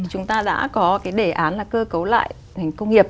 chúng ta đã có cái đề án là cơ cấu lại ngành công nghiệp